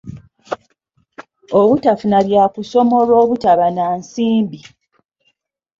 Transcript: Obutafuna bya kusoma olw'obutaba na nsimbi.